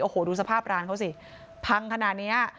โอ้โหดูสภาพร้านเขาสิพังขนาดนี้